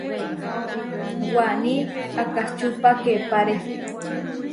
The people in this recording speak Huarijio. Waní akačupakepare.